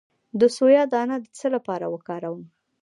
د سویا دانه د څه لپاره وکاروم؟